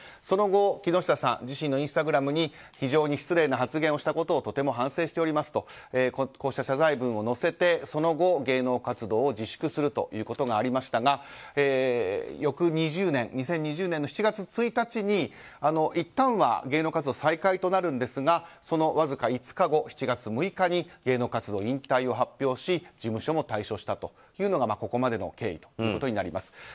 その後、木下さんは自身のインスタグラムに非常に失礼な発言をしてしまったことをとても反省しておりますとこうした謝罪文を載せてその後、芸能活動を自粛するということがありましたが翌２０２０年の７月１日にいったんは芸能活動再開となるんですがそのわずか５日後７月６日に芸能活動の引退を発表し事務所も退所したというのがここまでの経緯になります。